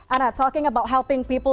ana berbicara tentang membantu orang orang